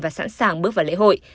và sẵn sàng bước vào lễ hội